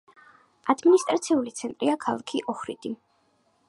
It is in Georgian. ადმინისტრაციული ცენტრია ქალაქი ოჰრიდი.